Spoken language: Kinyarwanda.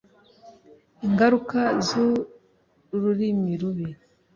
Ingaruka z’ururimi rubi